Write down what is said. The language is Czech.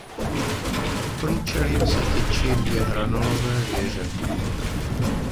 Nad průčelím se tyčí dvě hranolové věže.